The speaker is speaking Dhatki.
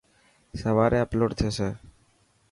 سواري اپلوڊ ٿيسي.